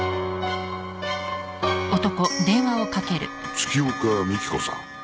月岡三喜子さん。